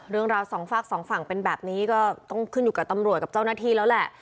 สองฝากสองฝั่งเป็นแบบนี้ก็ต้องขึ้นอยู่กับตำรวจกับเจ้าหน้าที่แล้วแหละ